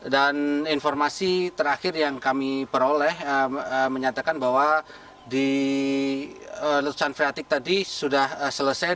dan informasi terakhir yang kami peroleh menyatakan bahwa letusan freatik tadi sudah selesai